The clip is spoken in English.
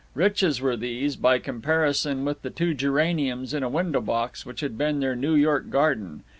Riches were these, by comparison with the two geraniums in a window box which had been their New York garden.